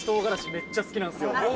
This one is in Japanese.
めっちゃ好きなんですよ」